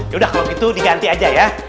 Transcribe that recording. yaudah kalau gitu diganti aja ya